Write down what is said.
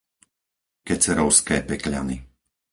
Kecerovské Pekľany